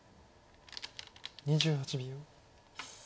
２８秒。